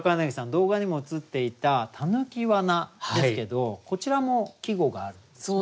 動画にも映っていた狸罠ですけどこちらも季語があるんですよね。